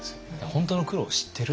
本当の苦労を知ってる。